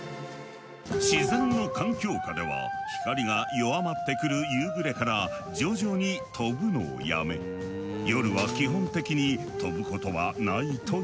自然の環境下では光が弱まってくる夕暮れから徐々に飛ぶのをやめ夜は基本的に飛ぶことはないという。